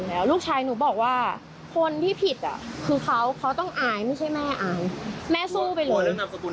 แล้วลูกชายหนูบอกว่าคนที่ผิดอ่ะคือเขาเขาต้องอายไม่ใช่แม่อายแม่สู้ไปเลยนามสกุล